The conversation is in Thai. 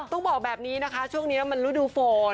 ต้องบอกแบบนี้นะคะช่วงนี้มันฤดูฝน